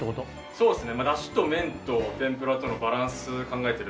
そうですね。